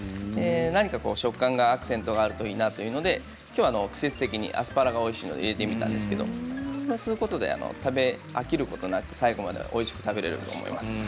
何か食感がアクセントがあるといいなというので今日は季節的にアスパラがおいしいので入れてみたんですけどこうすることで食べ飽きることなく最後までおいしく食べれると思います。